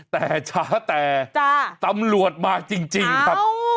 แต่ช้าแต่ตำรวจมาจริงครับ